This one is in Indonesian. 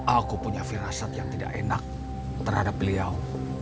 aku punya firasat yang tidak enak terhadap beliau